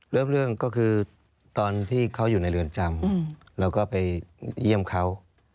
เริ่มเรื่องก็คือตอนที่เขาอยู่ในเรือนจำเราก็ไปเยี่ยมเขา